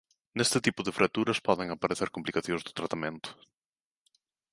Neste tipo de fracturas poden aparecer complicacións do tratamento.